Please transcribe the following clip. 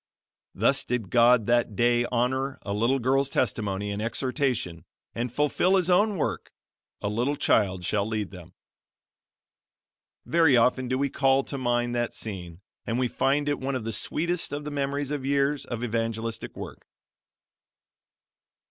Thus did God that day honor a little girl's testimony and exhortation and fulfill His own work, "A little child shall lead them." Very often do we call to mind that scene, and we find it one of the sweetest of the memories of years of evangelistic work.